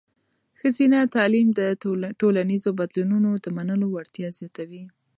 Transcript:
ښځینه تعلیم د ټولنیزو بدلونونو د منلو وړتیا زیاتوي.